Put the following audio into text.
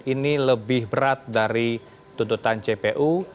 ini lebih berat dari tuntutan jpu